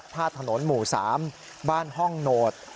ผ้าถนนหมู่สามบ้านห้องโนธ